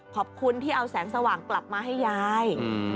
ขอบคุณที่เอาแสงสว่างกลับมาให้ยาย